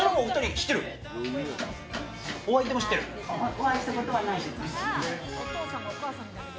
お会いしたことはないです。